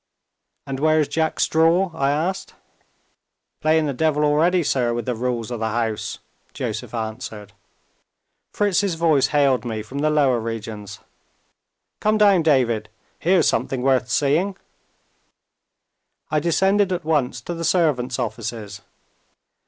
"And where is Jack Straw?" I asked. "Playing the devil already, sir, with the rules of the house," Joseph answered. Fritz's voice hailed me from the lower regions. "Come down, David; here's something worth seeing!" I descended at once to the servants' offices.